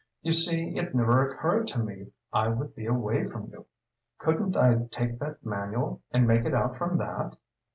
You see it never occurred to me I would be away from you. Couldn't I take that manual, and make it out from that?"